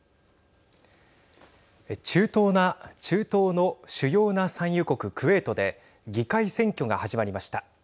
中東の主要な産油国クウェートで議会選挙が始まりました。